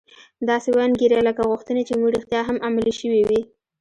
داسې وانګيرئ لکه غوښتنې چې مو رښتيا هم عملي شوې وي.